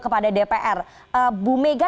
kepada dpr bu mega